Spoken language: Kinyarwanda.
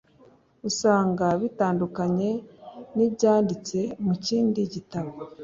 usanga bitandukanye n’ibyanditse mu kindi gitabo.